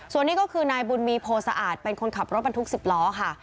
ส่วนนี้ก็คือนายบุญมีโพสะอาดเป็นคนขับรถบรรทุก๑๐ล้อค่ะ